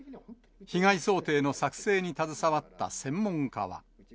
被害想定の作成に携わった専門家は。